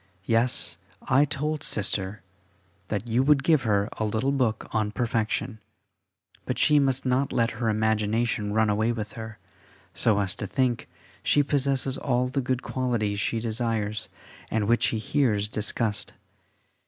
Yes, I told Sister that you would give her a little book on perfection, but she must not let her imagination run away with her, so as to think she possesses all the good qualities she desires and which she hears discussed.